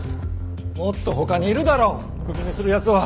もっとほかにいるだろクビにするやつは。